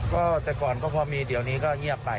ก็แต่ก่อนก็พอมีเดี๋ยวนี้ก็เงียบไป